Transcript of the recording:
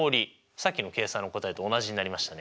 さっきの計算の答えと同じになりましたね。